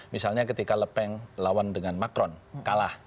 misalnya ketika lepeng lawan dengan macron kalah